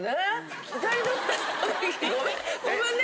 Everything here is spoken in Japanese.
ごめんね。